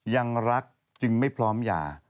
ยังรักจึงไม่พร้อมหย่า